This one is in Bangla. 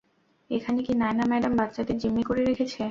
এখানে কি নায়না ম্যাডাম বাচ্চাদের জিম্মি করে রেখেছে?